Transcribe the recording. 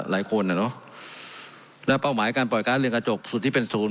หลายคนน่ะเนอะแล้วเป้าหมายการปล่อยการ์เรืองกระจกสุดที่เป็นศูนย์